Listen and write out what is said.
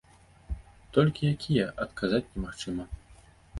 Толькі якія, адказаць немагчыма.